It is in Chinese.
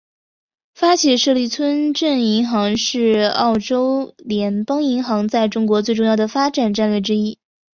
发起设立村镇银行是澳洲联邦银行在中国最重要的发展战略之一。